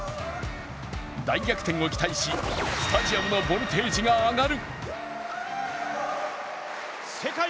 大逆転を期待し、スタジアムのボルテージが上がる。